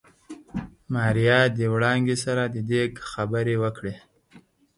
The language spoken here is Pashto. ماريا د وړانګې سره د ديګ خبرې وکړې.